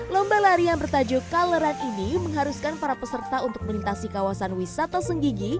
lomba lari yang bertajo coloran ini mengharuskan para peserta untuk melintasi kawasan wisata senggigi